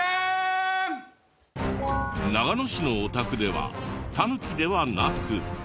長野市のお宅ではタヌキではなく。